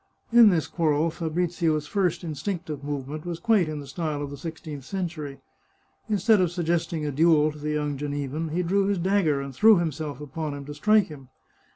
In this quarrel, Fabrizio's first instinctive movement was quite in the style of the sixteenth century. Instead of suggesting a duel to the young Genevan, he drew his dagger and threw himself upon him to strike him.